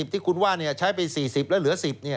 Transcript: ที่คุณว่าเนี่ยใช้ไป๔๐แล้วเหลือ๑๐เนี่ย